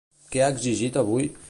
Què ha exigit avui?